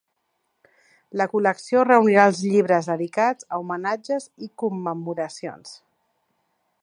La col·lecció reunirà els llibres dedicats a homenatges i commemoracions.